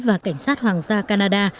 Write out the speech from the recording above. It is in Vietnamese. và cảnh sát hoàng gia canada